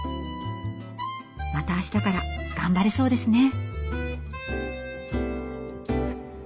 また明日から頑張れそうですね。